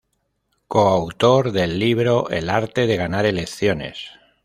Co-autor del libro El Arte de Ganar Elecciones.